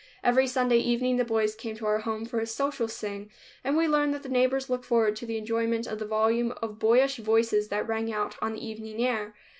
Every Sunday evening the boys came to our home for a social sing, and we learned that the neighbors looked forward to the enjoyment of the volume of boyish voices that rang out on the evening air.